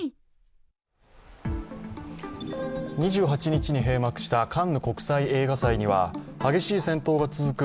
２８日に閉幕したカンヌ国際映画祭には激しい戦闘が続く